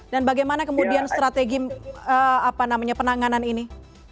dan bagaimana kemudian strategi apa namanya penanganan ini